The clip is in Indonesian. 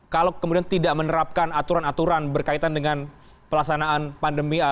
kalau kemudian tidak menerapkan aturan aturan berkaitan dengan pelaksanaan pandemi